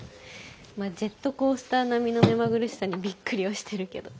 まあジェットコースター並みの目まぐるしさにびっくりはしてるけど。